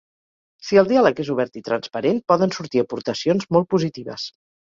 Si el diàleg és obert i transparent poden sortir aportacions molt positives.